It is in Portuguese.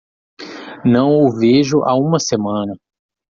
Não o vejo há uma semana.